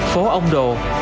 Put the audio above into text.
phố ông đồ